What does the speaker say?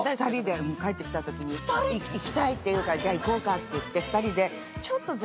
帰ってきたときに行きたいって言うからじゃあ行こうかって言って２人で。